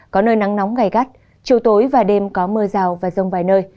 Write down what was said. có nơi nắng nóng gai gắt chiều tối và đêm có mưa rào và rông vài nơi